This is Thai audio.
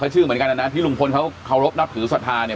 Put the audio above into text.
ชื่อเหมือนกันนะนะที่ลุงพลเขาเคารพนับถือศรัทธาเนี่ย